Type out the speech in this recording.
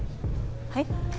はい？